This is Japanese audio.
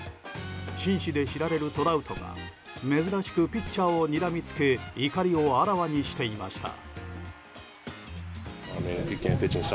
紳士で知られるトラウトが珍しくピッチャーをにらみつけ怒りをあらわにしていました。